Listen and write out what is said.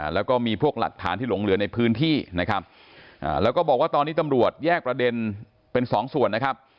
แล้วก็มีพวกหลักฐานที่หลงเหลือในพื้นที่นะครับแล้วก็บอกว่าตอนนี้ตำรวจแยกประเด็นเป็นสองส่วนนะครับ